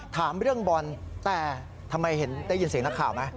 ถามเรื่องบอลแต่ทำไมได้ยินเสียงนักข่าวไหม